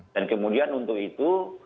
dan kemudian untuk itu